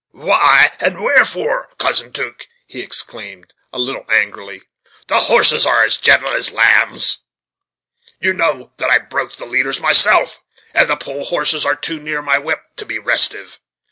"Why, and wherefore. Cousin 'Duke?" he exclaimed, a little angrily; "the horses are gentle as lambs. You know that I broke the leaders myself, and the pole horses are too near my whip to be restive.